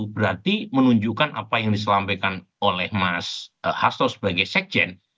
berarti menunjukkan apa yang disampaikan oleh mas hasto sebagai sekjen